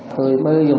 tôi mới dùng